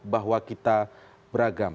bahwa kita beragam